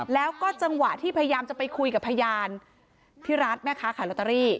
แล้วก็จังหวะที่พยายามจะไปคุยกับพยานพี่รัฐแม่ค้าขายลอตเตอรี่